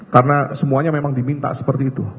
karena semuanya memang diminta seperti itu